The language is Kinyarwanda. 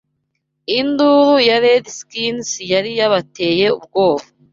Induru ya Redskins yari yabateye ubwoba